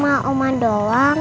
masa aku sama ku doang